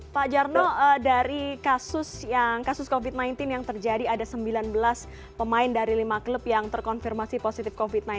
pak jarno dari kasus covid sembilan belas yang terjadi ada sembilan belas pemain dari lima klub yang terkonfirmasi positif covid sembilan belas